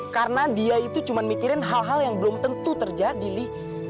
karena dia itu cuma mikirin hal hal yang belum tentu terjadi li